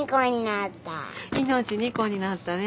命２個になったね